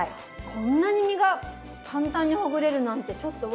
こんなに身が簡単にほぐれるなんてちょっとうわ。